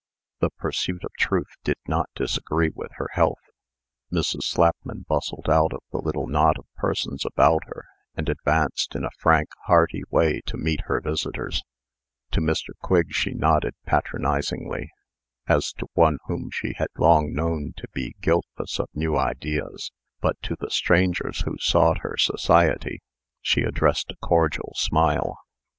The pursuit of TRUTH did not disagree with her health. Mrs. Slapman bustled out of the little knot of persons about her, and advanced in a frank, hearty way to meet her visitors. To Mr. Quigg she nodded patronizingly, as to one whom she had long known to be guiltless of new ideas; but to the strangers who sought her society, she addressed a cordial smile.